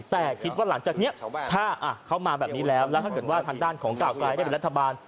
แต่คิดว่าหลังจากนี้ถ้าเขามาแบบนี้แล้วแล้วถ้าเกิดว่าทางด้านของก้าวกลายได้เป็นรัฐบาล